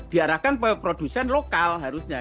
diarahkan produsen lokal harusnya